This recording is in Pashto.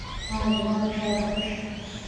ایا زما فشار به ښه شي؟